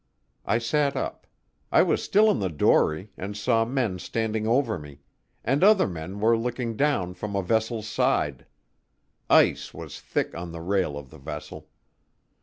I sat up. I was still in the dory, and saw men standing over me; and other men were looking down from a vessel's side. Ice was thick on the rail of the vessel.